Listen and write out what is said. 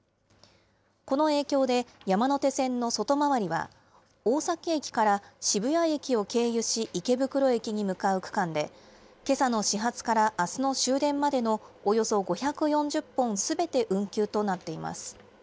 この影響で、山手線の外回りは、大崎駅から渋谷駅を経由し、池袋駅に向かう区間で、けさの始発からあすの終電までのおよそ５４０本すべて運休となっています。